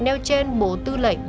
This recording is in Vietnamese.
nêu trên bộ tư lệnh